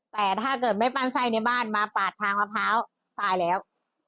แต่ถ้าเกิดไม่ปั้นไส้ในบ้านมาปาดทางมะพร้าวตายแล้ว